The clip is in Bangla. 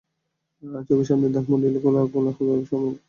চোখের সামনে ধানমন্ডি লেক, কোলাহল কম, তাই বন্ধুরা মিলে মাঝেমধ্যেই চলে আসি।